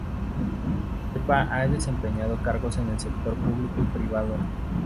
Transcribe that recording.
Serpa ha desempeñado cargos en el sector público y privado.